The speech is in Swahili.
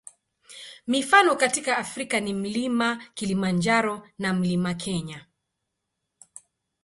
Mifano katika Afrika ni Mlima Kilimanjaro na Mlima Kenya.